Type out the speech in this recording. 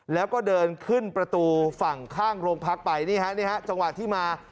แล้วก็เดินขึ้นประตูฝั่งข้างโรงพักไปนี่ฮะนี่ฮะจังหวะที่มา